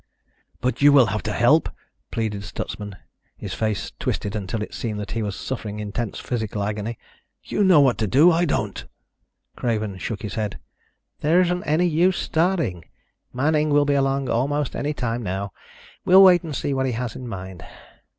"But you will have to help," pleaded Stutsman, his face twisted until it seemed that he was suffering intense physical agony. "You know what to do. I don't." Craven shook his head. "There isn't any use starting. Manning will be along almost anytime now. We'll wait and see what he has in mind."